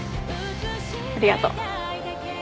ありがとう。